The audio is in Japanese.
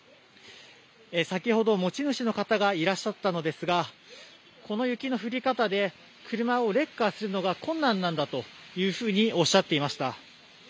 先ほど、持ち主の方がいらっしゃったのですが、この雪の降り方で、車をレッカーするのが困難なんだというふうにおっしゃっていました。